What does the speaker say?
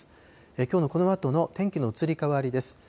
きょうのこのあとの天気の移り変わりです。